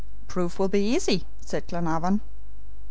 "Proof will be easy," said Glenarvan.